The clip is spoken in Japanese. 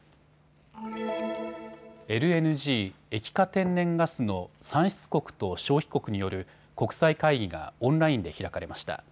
ＬＮＧ・液化天然ガスの産出国と消費国による国際会議がオンラインで開かれました。